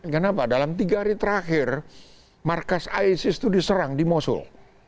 kenapa dalam tiga hari terakhir markas isis itu diserang di mosul